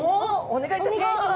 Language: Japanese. お願いいたします！